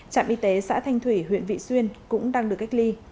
trạm y tế xã thanh thủy huyện vị xuyên cũng đang được cách ly